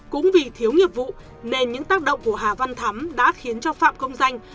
cũng vì thiếu nghiệp vụ nên những tác động của hà văn thắm đã khiến cho phạm công danh